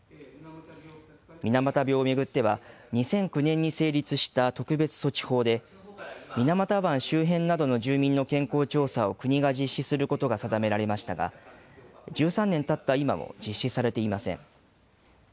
水俣病を巡っては、２００９年に成立した特別措置法で、水俣湾周辺などの住民の健康調査を国が実施することが定められましたが、１３年たった今も実施されていません。